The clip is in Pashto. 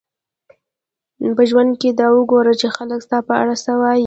په ژوند کښي دا وګوره، چي خلک ستا په اړه څه وايي.